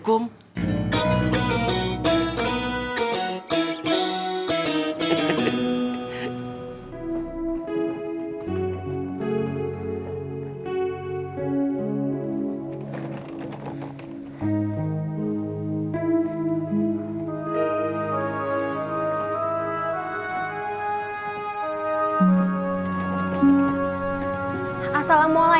katanya terima hal besar